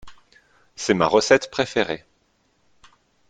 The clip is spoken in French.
C'est ma recette préférée.